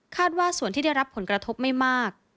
ว่าส่วนที่ได้รับผลกระทบไม่มาก